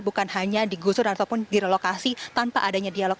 bukan hanya digusur ataupun direlokasi tanpa adanya dialog